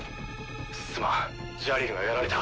すまんジャリルがやられた。